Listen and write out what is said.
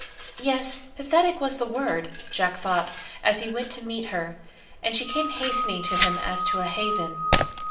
Yes, "pathetic" was the word, Jack thought as he went to meet her, and she came hastening to him as to a haven.